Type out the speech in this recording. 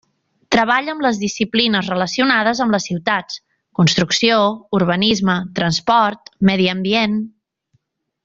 Treballa amb les disciplines relacionades amb les ciutats: construcció, urbanisme, transport, medi ambient.